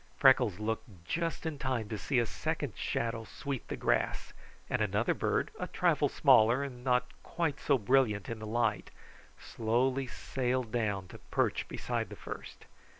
Freckles looked just in time to see a second shadow sweep the grass; and another bird, a trifle smaller and not quite so brilliant in the light, slowly sailed down to perch beside the first.